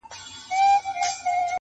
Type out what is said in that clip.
ړوند رڼا نه پېژني.